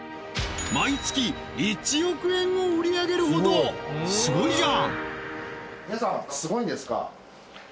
毎月１億円を売り上げるほどすごいじゃん！